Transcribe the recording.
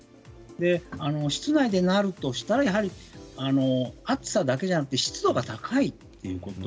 室内でなるとしたら暑さだけじゃなく湿度が高いということ。